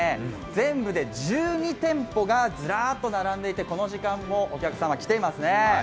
全部で１２店舗がずらっと並んでいてこの時間もお客さんは来ていますね。